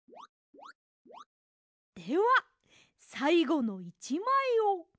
ではさいごの１まいを。